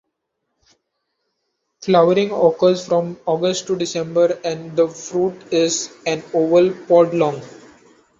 Flowering occurs from August to December and the fruit is an oval pod long.